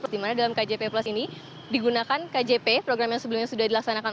di mana dalam kjp plus ini digunakan kjp program yang sebelumnya sudah dilaksanakan